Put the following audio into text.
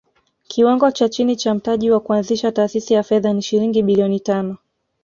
Kiwango cha chini cha mtaji wa kuanzisha taasisi ya fedha ni shilingi bilioni tano